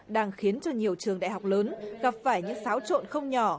đang khiến cho nhiều trường đại học lớn gặp phải những xáo trộn không nhỏ